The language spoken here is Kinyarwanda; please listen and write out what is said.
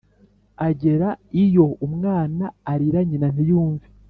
Agera iyo umwana arira nyina ntiyumve.